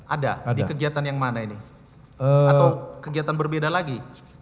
ada di kegiatan yang mana ini atau kegiatan berbeda lagi